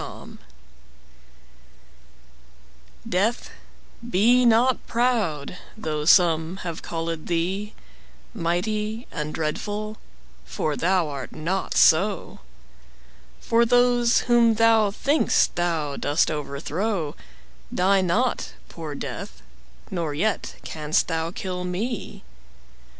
Death DEATH, be not proud, though some have callèd thee Mighty and dreadful, for thou art not so: For those whom thou think'st thou dost overthrow Die not, poor Death; nor yet canst thou kill me.